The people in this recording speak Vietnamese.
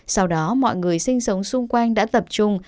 sau đó mọi người sinh sống xung quanh đã tập trung